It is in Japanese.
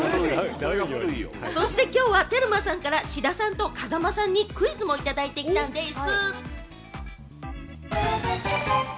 そして今日はテルマさんから風間さんと志田さんにクイズもいただいてきたんでぃす！